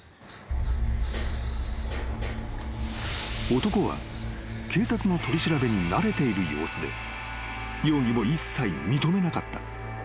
［男は警察の取り調べに慣れている様子で容疑を一切認めなかった］